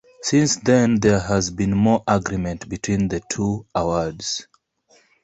Since then, there has been more agreement between the two awards.